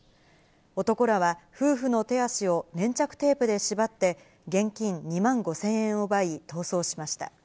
男らは、夫婦の手足を粘着テープで縛って、現金２万５０００円を奪い、逃走しました。